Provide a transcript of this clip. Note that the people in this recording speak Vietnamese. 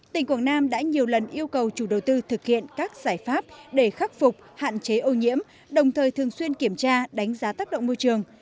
tỉnh quảng nam đã nhiều lần yêu cầu chủ đầu tư thực hiện các giải pháp để khắc phục hạn chế ô nhiễm đồng thời thường xuyên kiểm tra đánh giá tác động môi trường